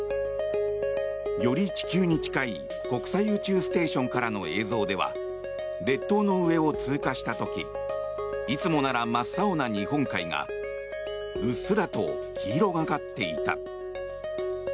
より地球に近い国際宇宙ステーションからの映像では列島の上を通過した時いつもなら真っ青な日本海がうっすらと黄色がかっていた。